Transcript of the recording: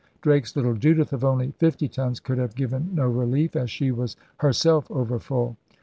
Drake's little Judith, of only fifty tons, could have given no relief, as she was herself overfull.